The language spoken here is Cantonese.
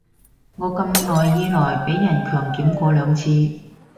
我咁耐以來被人強檢過兩次